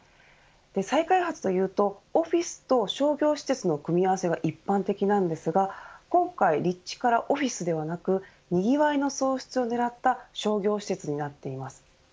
再開発というとオフィスと商業施設の組み合わせが一般的なんですが今回立地からオフィスではなくにぎわいの創出を狙った商業施設になっています。